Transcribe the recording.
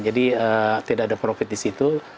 jadi tidak ada profit di situ